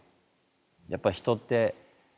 やっぱ人ってねえ